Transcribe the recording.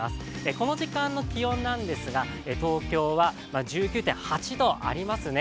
この時間の気温なんですが、東京は１９．８度ありますね。